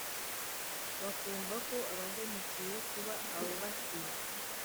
bakumva ko abahemukiye kuba abasize